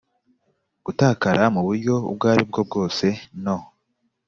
gutakara mu buryo ubwo ari bwo bwose no